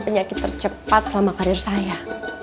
penyakit tercepat selama karir saya